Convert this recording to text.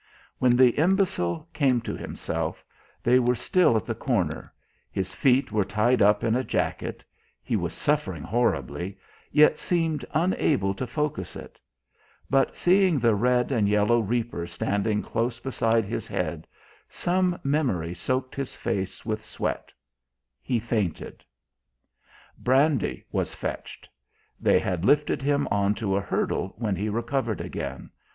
When the imbecile came to himself they were still at the corner, his feet were tied up in a jacket, he was suffering horribly, yet seemed unable to focus it; but seeing the red and yellow reaper standing close beside his head, some memory soaked his face with sweat; he fainted. Brandy was fetched; they had lifted him on to a hurdle when he recovered again.